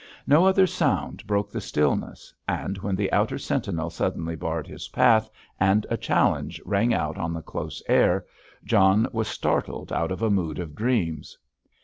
No other sound broke the stillness, and when the outer sentinel suddenly barred his path and a challenge rang out on the close air, John was startled out of a mood of dreams.